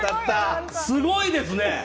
すごいですね。